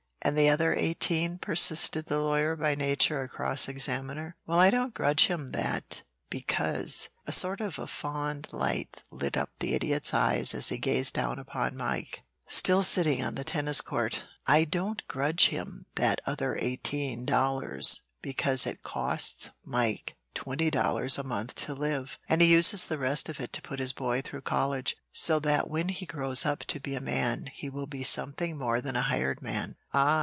"And the other eighteen?" persisted the lawyer, by nature a cross examiner. "Well, I don't grudge him that because " a sort of a fond light lit up the Idiot's eyes as he gazed down upon Mike, still sitting on the tennis court "I don't grudge him that other eighteen dollars because it costs Mike twenty dollars a month to live; and he uses the rest of it to put his boy through college, so that when he grows up to be a man he will be something more than a hired man." "Ah!"